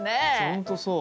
ホントそう。